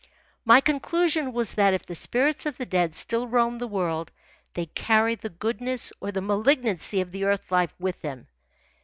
My conclusion was that if the spirits of the dead still roamed the world they carried the goodness or the malignancy of the earth life with them.